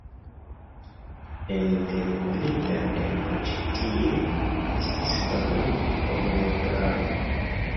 En intermilita tempo ĉi tie estis fabriko por meblaro.